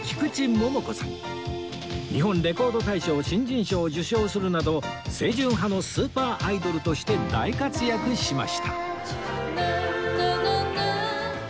日本レコード大賞新人賞を受賞するなど清純派のスーパーアイドルとして大活躍しました